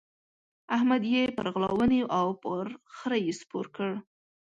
احمد يې پر غلا ونيو او پر خره يې سپور کړ.